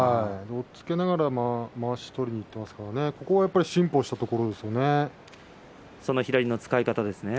押っつけながらまわしを取りにいっていますからその左の使い方ですね。